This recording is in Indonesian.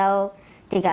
tapi itu gak ada